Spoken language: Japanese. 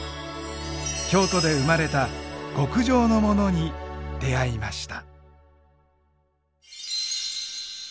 京都で生まれた極上のモノに出会いました。